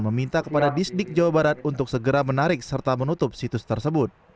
meminta kepada disdik jawa barat untuk segera menarik serta menutup situs tersebut